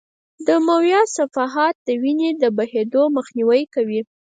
دمویه صفحات د وینې د بهېدو مخنیوی کوي.